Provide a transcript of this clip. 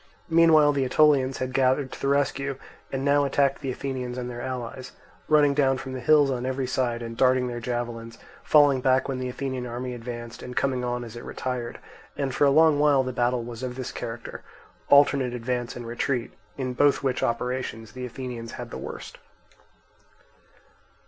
Meanwhile the Aetolians had gathered to the rescue, and now attacked the Athenians and their allies, running down from the hills on every side and darting their javelins, falling back when the Athenian army advanced, and coming on as it retired; and for a long while the battle was of this character, alternate advance and retreat, in both which operations the Athenians had the worst.